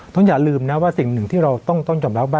ต้องอย่าลืมนะว่าสิ่งหนึ่งที่เราต้องจบแล้ว